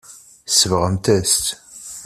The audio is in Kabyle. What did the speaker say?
Tsebɣemt-as-tt.